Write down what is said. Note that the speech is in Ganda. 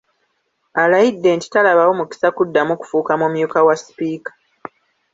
Alayidde nti talabawo mukisa kuddamu kufuuka mumyuka wa Sipiika.